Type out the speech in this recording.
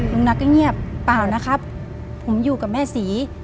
ลุงนัทก็เงียบเปล่านะครับผมอยู่กับแม่ศรี